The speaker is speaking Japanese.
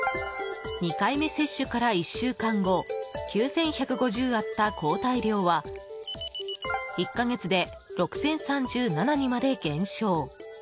２回目接種から１週間後９１５０あった抗体量は１か月で、６０３７にまで減少。